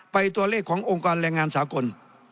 ตัวเลขขององค์การแรงงานสากล